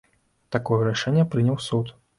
Такое рашэнне прыняў суд.